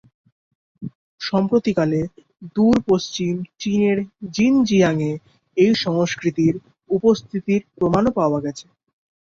সাম্প্রতিককালে, দূর-পশ্চিম চীনের জিনজিয়াং-এ এই সংস্কৃতির উপস্থিতির প্রমাণও পাওয়া গেছে।